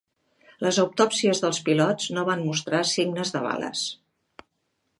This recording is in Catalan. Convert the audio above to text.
Les autòpsies dels pilots no van mostrar signes de bales.